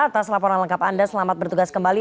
atas laporan lengkap anda selamat bertugas kembali